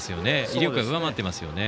威力が上回っていますよね。